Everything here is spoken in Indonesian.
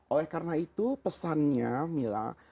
oleh karena itu pesannya mila